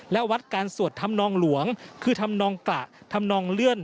และวัดการสวดธรรมนองหลวงคือธรรมนองกระทำนองเลื่อน